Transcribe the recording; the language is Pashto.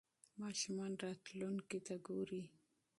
ماشومان راتلونکې ته ګوري.